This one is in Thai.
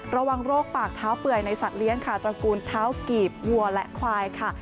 ระวังโรคปากเท้าเปื่อยในสัตว์เลี้ยงค่ะตระกูลเท้ากีบวัวและควายค่ะ